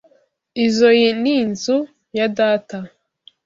Izoi ni inzu ya data.